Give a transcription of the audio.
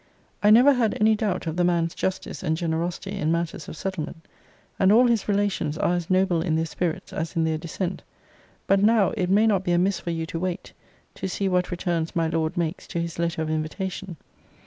I never had any doubt of the man's justice and generosity in matters of settlement; and all his relations are as noble in their spirits as in their descent; but now, it may not be amiss for you to wait, to see what returns my Lord makes to his letter of invitation.